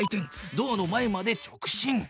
ドアの前まで直進。